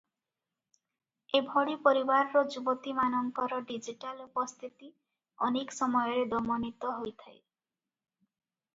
ଏଭଳି ପରିବାରର ଯୁବତୀମାନଙ୍କର ଡିଜିଟାଲ ଉପସ୍ଥିତି ଅନେକ ସମୟରେ ଦମନିତ ହୋଇଥାଏ ।